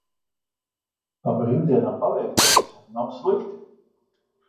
Pa brīvdienām paveiktais nav slikti.